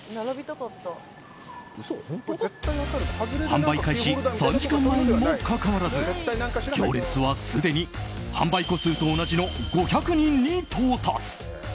販売開始３時間前にもかかわらず行列は、すでに販売個数と同じの５００人に到達。